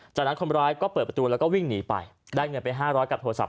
จากนั้นคนร้ายก็เปิดประตูแล้วก็วิ่งหนีไปได้เงินไป๕๐๐กับโทรศัพ